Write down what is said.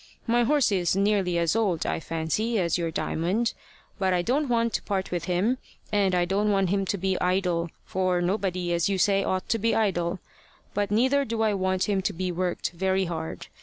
My horse is nearly as old, I fancy, as your Diamond, but I don't want to part with him, and I don't want him to be idle; for nobody, as you say, ought to be idle; but neither do I want him to be worked very hard.